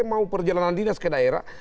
mau perjalanan dinas ke daerah